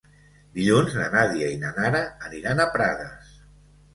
Dilluns na Nàdia i na Nara aniran a Prades.